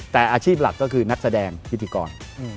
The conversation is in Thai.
แต่อาชีพหลักก็คือนักแสดงพิธีกร